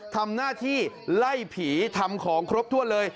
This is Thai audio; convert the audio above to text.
ทำหน้าที่ไล่ผีทำของครบถ้วนเลย